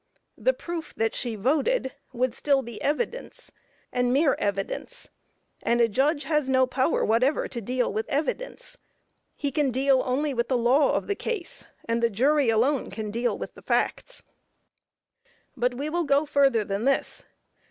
The proof that she voted would still be evidence, and mere evidence, and a judge has no power whatever to deal with evidence. He can deal only with the law of the case, and the jury alone can deal with the facts. But we will go further than this.